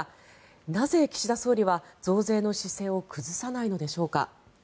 なぜ、岸田総理は増税の姿勢を崩さないのでしょうか。